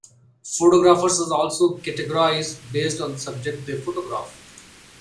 Photographers are also categorized based on the subjects they photograph.